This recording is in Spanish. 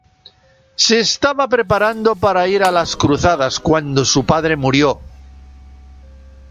Se estaba preparando para ir a las cruzadas, cuando su padre murió.